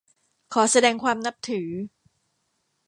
ขอแสดงความนับถือ